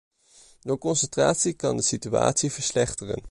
Door concentratie kan de situatie verslechteren.